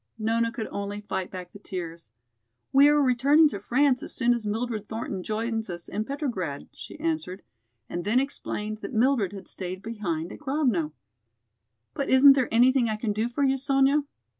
Nona could only fight back the tears. "We are returning to France as soon as Mildred Thornton joins us in Petrograd," she answered, and then explained that Mildred had stayed behind at Grovno. "But isn't there anything I can do for you, Sonya?"